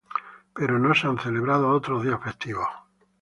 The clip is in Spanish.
Pero no se han celebrado otros días festivos.